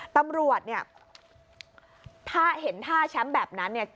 ตำรวจเนี่ยถ้าเห็นท่าแชมป์แบบนั้นเนี่ย